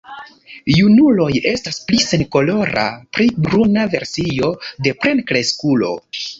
Junuloj estas pli senkolora, pli bruna versio de plenkreskulo.